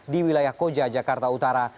di wilayah koja jakarta utara